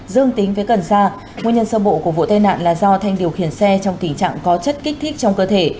dương tính với cần sa nguyên nhân sơ bộ của vụ tai nạn là do thanh điều khiển xe trong tình trạng có chất kích thích trong cơ thể